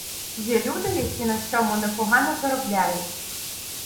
Є люди, які на цьому непогано заробляють